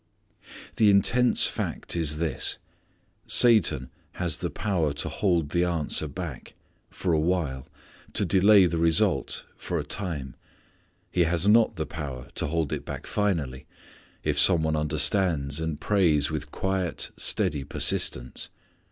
The intense fact is this: Satan has the power to hold the answer back for awhile; to delay the result for a time. He has not the power to hold it back finally, if some one understands and prays with quiet, steady persistence.